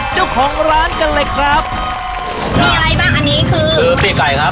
เจ้าของร้านกันเลยครับมีอะไรบ้างอันนี้คือคือปีกไก่ครับ